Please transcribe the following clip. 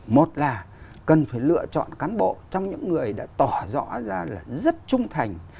một là cần phải lựa chọn cán bộ trong những người đã tỏ rõ ra là rất trung thành